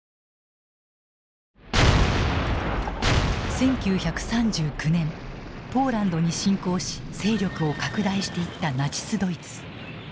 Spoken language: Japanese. １９３９年ポーランドに侵攻し勢力を拡大していったナチスドイツ。